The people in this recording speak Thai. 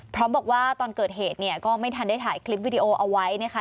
พร้อมบอกว่าตอนเกิดเหตุเนี่ยก็ไม่ทันได้ถ่ายคลิปวิดีโอเอาไว้นะคะ